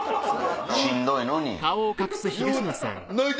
しんどいのに。